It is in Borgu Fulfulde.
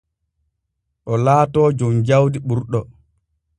O laatoo jom jawdi ɓurɗo.